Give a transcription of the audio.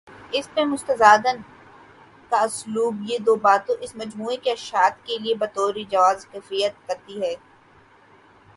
اس پہ مستزاد ان کا اسلوب یہ دوباتیں اس مجموعے کی اشاعت کے لیے بطورجواز کفایت کرتی ہیں۔